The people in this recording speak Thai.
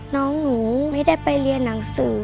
น้องหนูไม่ได้ไปเรียนหนังสือ